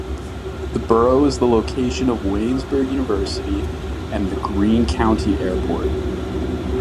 The borough is the location of Waynesburg University and the Greene County Airport.